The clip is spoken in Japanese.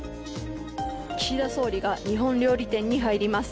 岸田総理が今、日本料理店に入ります。